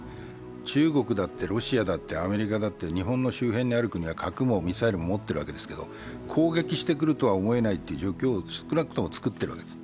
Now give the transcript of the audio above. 中国だってロシアだってアメリカだって、日本の周辺にある国は核もミサイルも持っているわけですけど、攻撃してくるという状況を少なくとも作っているわけです。